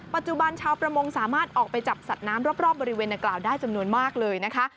ปัจจุบันชาวประมงสามารถออกไปจับสัตว์น้ำรอบบริเวณนักกล่าวได้จำนวนมากเลยนะคะ